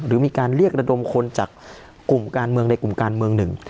หรือมีการเรียกระดมคนจากกลุ่มการเมืองใดกลุ่มการเมืองหนึ่ง